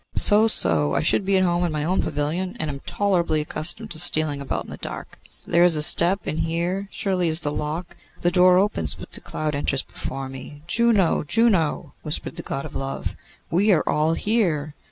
'So, so; I should be at home in my own pavilion, and am tolerably accustomed to stealing about in the dark. There is a step; and here, surely, is the lock. The door opens, but the cloud enters before me. Juno, Juno,' whispered the God of Love, 'we are all here.